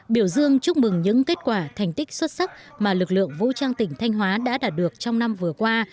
biểu dương chúc mừng những kết quả thành tích xuất sắc mà lực lượng vũ trang tỉnh thanh hóa đã đạt được trong năm vừa qua